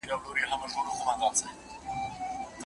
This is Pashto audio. که دا عرفونه ونه درول سي، زیان به دوام وکړي.